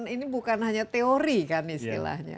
ini bukan hanya teori kan istilahnya